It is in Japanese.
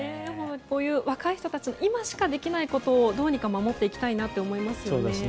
こういう若い人たちの今しかできないことのどうにか守っていきたいなと思いますね。